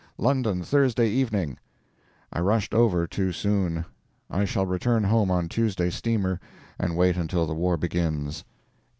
.................... LONDON, Thursday evening. I rushed over too soon. I shall return home on Tuesday's steamer and wait until the war begins.